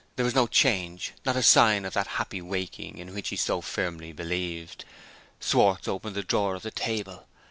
There was no change not a sign of that happy waking in which he so firmly believed. Schwartz opened the drawer of the table.